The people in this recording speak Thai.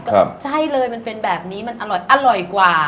ก็ใช่เลยมันเป็นแบบนี้มันอร่อยกว่า